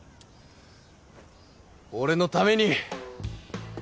俺のために！